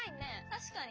確かに。